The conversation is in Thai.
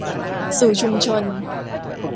สู่ชุมชน